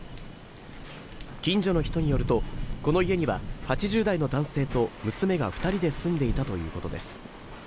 近所の人によるとこの家には８０代の男性と娘が２人で住んでいたということです。